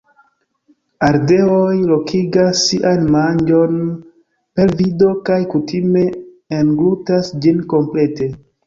Ardeoj lokigas sian manĝon per vido kaj kutime englutas ĝin komplete.